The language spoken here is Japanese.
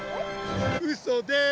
うそです！